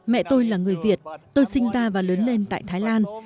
mẹ tôi là người việt tôi sinh ra và lớn lên tại thái lan